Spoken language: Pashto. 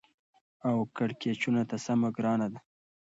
او کېړکیچو ته سمه ګرانه ده.